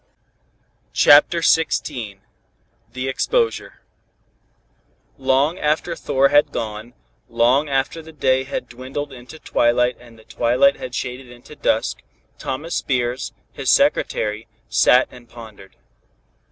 CHAPTER XVI THE EXPOSURE Long after Thor had gone, long after the day had dwindled into twilight and the twilight had shaded into dusk, Thomas Spears, his secretary, sat and pondered.